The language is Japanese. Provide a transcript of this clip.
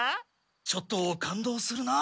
ちょっと感動するな。